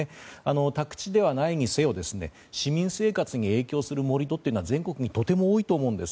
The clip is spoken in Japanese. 宅地ではないにせよ市民生活に影響する盛り土というのは全国にとても多いと思うんです。